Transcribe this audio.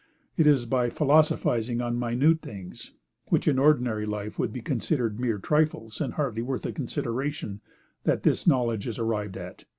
It is by philosophizing on minute things, which in ordinary life would be considered mere trifles, and hardly worth a consideration, that this knowledge is arrived at.